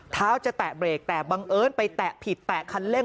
เท้าจะแตะเบรกแต่บังเอิญไปแตะผิดแตะคันเร่ง